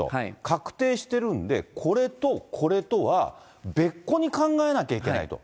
確定してるんで、これとこれとは別個に考えなきゃいけないと。